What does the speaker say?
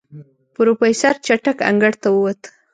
پروفيسر چټک انګړ ته ووت.